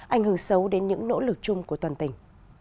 ảnh hưởng xấu đến những nỗ lực chung của toàn tỉnh